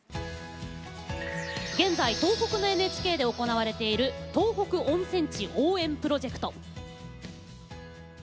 現在東北のＮＨＫで行われている東北温泉地応援プロジェクト。